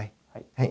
はい。